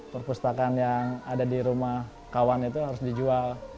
perpustakaan yang ada di rumah kawan itu harus dijual